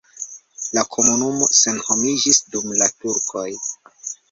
La komunumo senhomiĝis dum la turkoj.